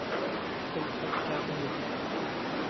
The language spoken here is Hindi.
तब तुम क्या कहोगी?